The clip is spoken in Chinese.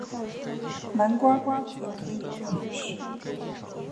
南瓜瓜子可以做零食。